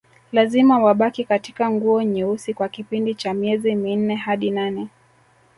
Lazima wabaki katika nguo nyeusi kwa kipindi cha miezi minne hadi nane